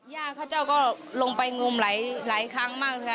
ข้าเจ้าก็ลงไปงมหลายครั้งมากเลยค่ะ